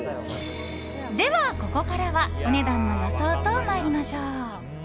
では、ここからはお値段の予想と参りましょう。